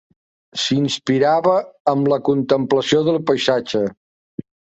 S'inspirava amb la contemplació del paisatge.